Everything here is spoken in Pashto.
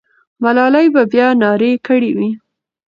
ملالۍ به بیا ناره کړې وي.